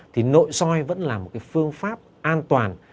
thì nội soi vẫn là một cái phương pháp an toàn